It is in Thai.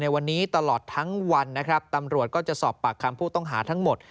วันนี้ตลอดทั้งวันนะครับตำรวจก็จะสอบปากคำผู้ต้องหาทั้งหมด